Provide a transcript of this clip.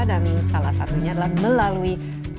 dan salah satunya adalah melalui nasionalisme